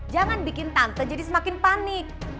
jangan bikin tante jadi semakin panik